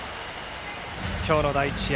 今日の第１試合